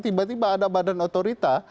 tiba tiba ada badan otorita